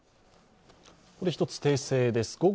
１つ訂正です。